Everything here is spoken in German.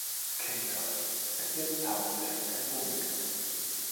Kingshurst ist jetzt hauptsächlich ein Wohngebiet.